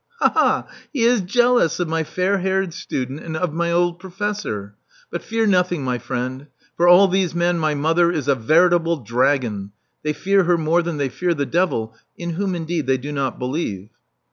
Ha! ha! He is jealous of my fair haired student and of my old professor. But fear nothing, my friend. For all these men my mother is a veritable dragon. They fear her more than they fear the devil, in whom, indeed, they do not believe.